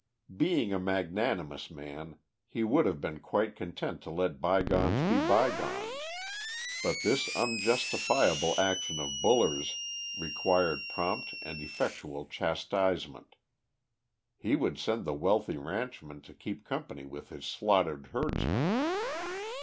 Being a magnanimous man, he would have been quite content to let bygones be bygones, but this unjustifiable action of Buller's required prompt and effectual chastisement. He would send the wealthy ranchman to keep company with his slaughtered herdsmen.